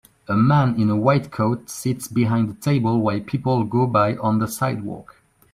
A man in a white coat sits behind a table while people go by on the sidewalk